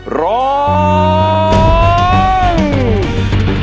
โหร้อง